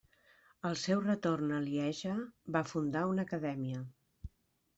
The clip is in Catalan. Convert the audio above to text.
Al seu retorn a Lieja va fundar una acadèmia.